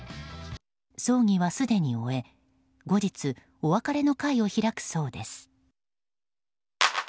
葬儀はすでに終え後日、お別れの会を開くそうです。